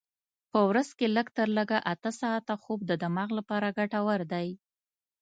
په ورځ کې لږ تر لږه اته ساعته خوب د دماغ لپاره ګټور دی.